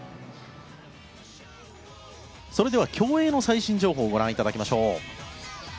それでは競泳の最新情報をご覧いただきましょう。